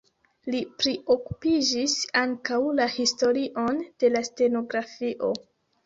Li priokupiĝis ankaŭ la historion de la stenografio.